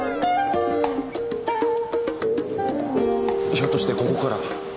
ひょっとしてここから。